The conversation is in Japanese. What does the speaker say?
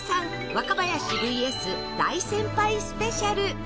若林 ＶＳ 大先輩スペシャル